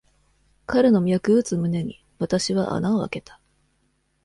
彼の脈打つ胸に、私は穴をあけた。